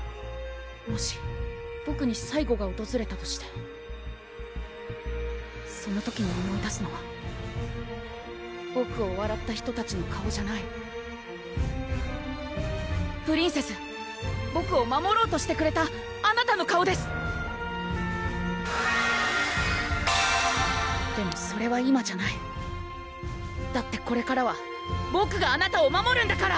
もしボクに最期がおとずれたとしてその時に思い出すのはボクをわらった人たちの顔じゃないプリンセスボクを守ろうとしてくれたあなたの顔ですでもそれは今じゃないだってこれからはボクがあなたを守るんだから！